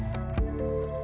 pala dari bandar ini